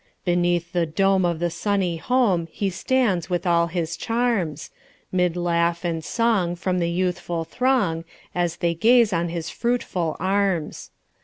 Beneath the dome of the sunny home, He stands with all his charms; 'Mid laugh and song from the youthful throng, As they gaze on his fruitful arms.